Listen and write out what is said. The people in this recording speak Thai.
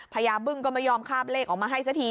ญาบึ้งก็ไม่ยอมคาบเลขออกมาให้สักที